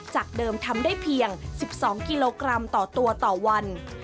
จากเดิมทำได้เพียง๑๒กิโลกรัมต่อตัวต่อวัน